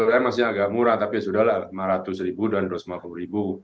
lima ratus sebenarnya masih agak murah tapi sudah lah lima ratus ribu dan dua ratus lima puluh ribu